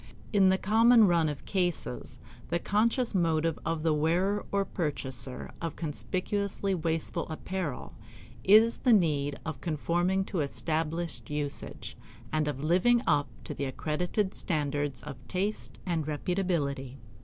In the common run of cases the conscious motive of the wearer or purchaser of conspicuously wasteful apparel is the need of conforming to established usage, and of living up to the accredited standard of taste and reputability.